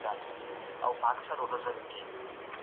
حکومت د بهرنیو پانګونو د جذب پر وړاندي خنډ نه رامنځته کوي.